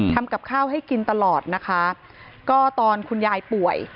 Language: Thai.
ทำกับข้าวให้กินตลอดนะคะก็ตอนคุณยายป่วย